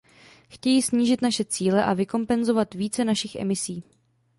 Chtějí snížit naše cíle a vykompenzovat více našich emisí.